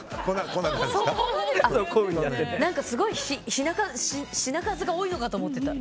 すごい品数が多いのかと思ってた。